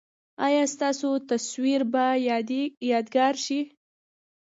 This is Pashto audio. ایا ستاسو تصویر به یادګار شي؟